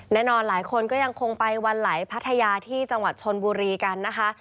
แน่นอนหลายคนก็ยังคงไปบรรยาภัยพัททายาที่จังหวัดชนบุรีกันนะคะ